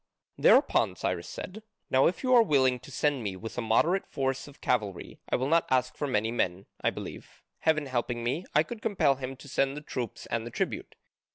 Thereupon Cyrus said, "Now if you are willing to send me with a moderate force of cavalry I will not ask for many men I believe, heaven helping me, I could compel him to send the troops and the tribute.